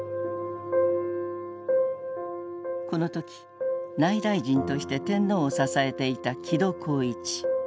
この時内大臣として天皇を支えていた木戸幸一。